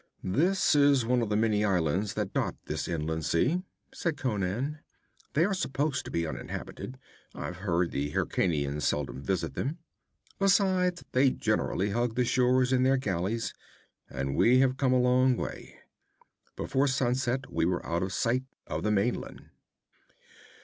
'This is one of the many islands that dot this inland sea,' said Conan. 'They are supposed to be uninhabited. I've heard the Hyrkanians seldom visit them. Besides, they generally hug the shores in their galleys, and we have come a long way. Before sunset we were out of sight of the mainland.'